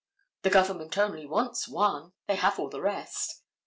The government only wants one; they have all the rest.